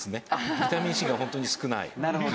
ビタミンＣがホントに少ない。